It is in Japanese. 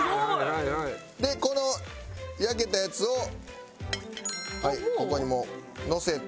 この焼けたやつをここにのせて。